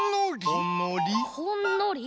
ほんのり？